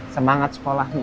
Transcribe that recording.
semangat sekolah nih